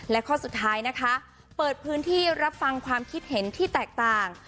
และข้อสุดท้ายนะคะเปิดพื้นที่รับฟังความคิดเห็นที่แตกต่าง